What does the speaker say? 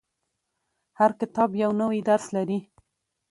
• هر کتاب یو نوی درس لري.